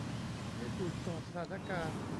ยืดหยุ่นต่อสถานการณ์